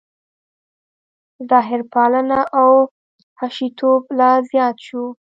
ظاهرپالنه او حشویتوب لا زیات شو.